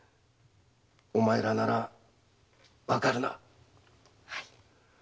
お前らならわかるな？